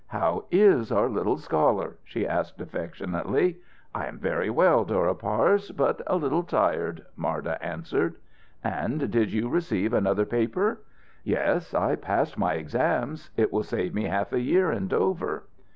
"How is our little scholar?" she asked affectionately. "I am very well, Dora Parse, but a little tired," Marda answered. "And did you receive another paper?" "Yes. I passed my exams. It will save me half a year in Dover."